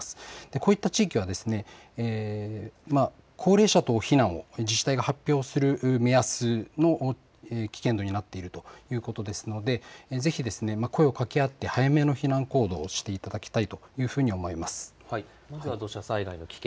こういった地域は高齢者等避難を自治体が発表する目安の危険度になっているということですのでぜひ声を掛け合って早めの避難行動をしていただきたいというふうに思います。